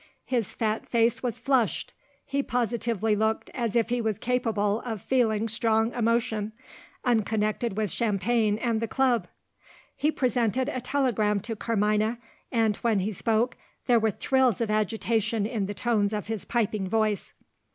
His fat face was flushed: he positively looked as if he was capable of feeling strong emotion, unconnected with champagne and the club! He presented a telegram to Carmina and, when he spoke, there were thrills of agitation in the tones of his piping voice.